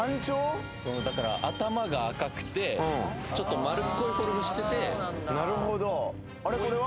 だから頭が赤くてちょっと丸っこいフォルムしててなるほどあれこれは？